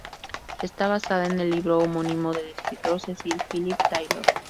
Está basada en el libro homónimo del escritor Cecil Philip Taylor.